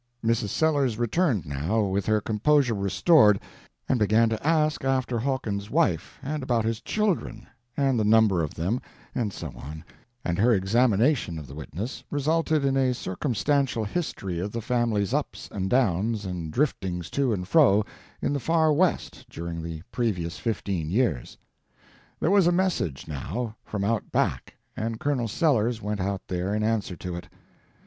Mrs. Sellers returned, now, with her composure restored, and began to ask after Hawkins's wife, and about his children, and the number of them, and so on, and her examination of the witness resulted in a circumstantial history of the family's ups and downs and driftings to and fro in the far West during the previous fifteen years. There was a message, now, from out back, and Colonel Sellers went out there in answer to it.